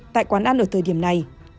tại quán ăn ở thời điểm này